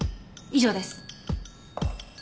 以上です。